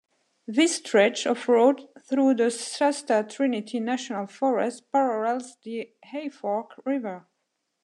This stretch of road through the Shasta-Trinity National Forest parallels the Hayfork River.